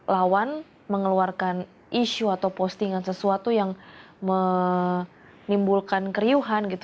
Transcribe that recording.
lawan mengeluarkan isu atau postingan sesuatu yang menimbulkan keriuhan gitu